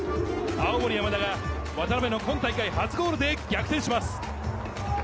青森山田が渡邊の今大会初ゴールで逆転します。